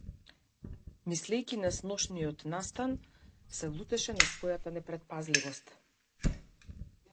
Мислејќи на сношниот настан, се лутеше на својата непретпазливост.